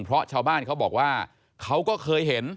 เพราะชาวบ้านเขาบอกว่าเขาก็เคยเห็น